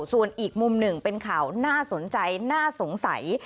ส่วนอีกมุมหนึ่งเป็นข่าวน่าสนใจน่าสงสัย